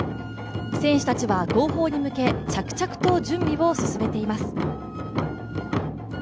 選手たちは号砲に向け着々と準備を進めています。